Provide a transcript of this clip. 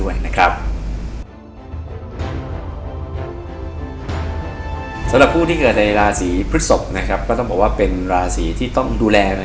สำหรับผู้ที่เกิดในราศีพฤศพก็ต้องบอกว่าเป็นราศีที่ต้องดูแล